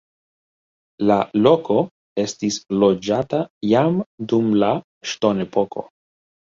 La loko estis loĝata jam dum la ŝtonepoko.